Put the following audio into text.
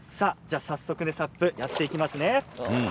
早速ＳＵＰをやっていきますね。